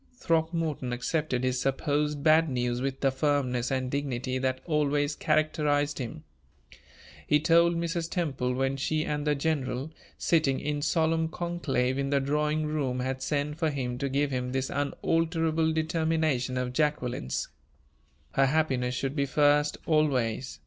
Throckmorton accepted his supposed bad news with the firmness and dignity that always characterized him. He told Mrs. Temple, when she and the general, sitting in solemn conclave in the drawing room, had sent for him to give him this unalterable determination of Jacqueline's: "Her happiness should be first always.